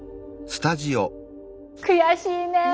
悔しいね！